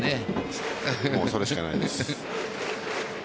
それしかないです。